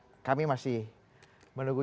ya kami masih menunggu